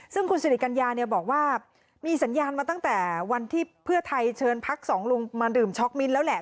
ซึ่งคุณสิริกัญญาเนี่ยบอกว่ามีสัญญาณมาตั้งแต่วันที่เพื่อไทยเชิญพักสองลุงมาดื่มช็อกมิ้นท์แล้วแหละ